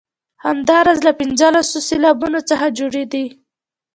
همداراز له پنځلسو سېلابونو څخه جوړې دي.